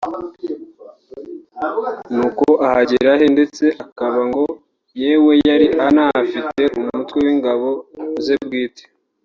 nuko ahagira ahe ndetse akaba ngo yewe yari anafite umutwe w’ingabo ze bwite